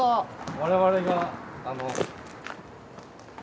我々があの。